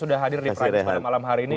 sudah hadir di primes pada malam hari ini